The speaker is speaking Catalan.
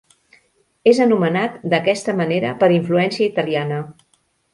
És anomenat d'aquesta manera per influència italiana.